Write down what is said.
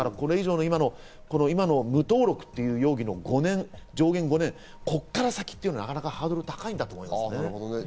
今の無登録という容疑で上限５年、ここから先というのは、かなりハードルが高いと思います。